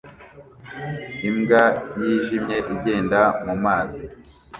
Imbwa yijimye igenda mumazi